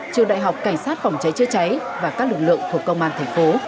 trường đại học cảnh sát phòng cháy chữa cháy và các lực lượng thuộc công an tp